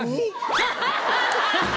アハハハ！